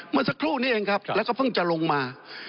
เมื่อสักครู่นี้เองครับแล้วก็เพิ่งจะลงมา